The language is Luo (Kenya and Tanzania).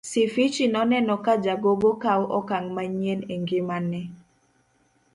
Sifichi noneno ka jagogo kawo okang' manyien e ngimane.